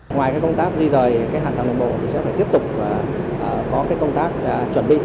ngoài công tác di rời hàn thẳng đồng bộ sẽ tiếp tục có công tác chuẩn bị